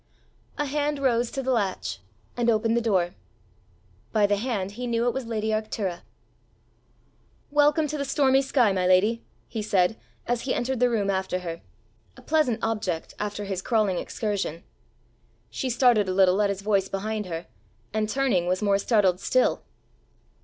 A hand rose to the latch, and opened the door. By the hand he knew it was lady Arctura. "Welcome to the stormy sky, my lady!" he said, as he entered the room after her a pleasant object after his crawling excursion! She started a little at his voice behind her, and turning was more startled still.